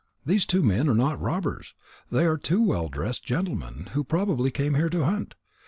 These two men are not robbers. They are two well dressed gentlemen, who probably came here to hunt."